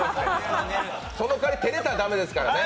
その代わり照れたら駄目ですからね。